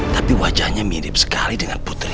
tapi wajahnya mirip sekali dengan putri